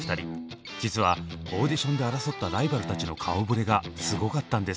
実はオーディションで争ったライバルたちの顔ぶれがすごかったんです！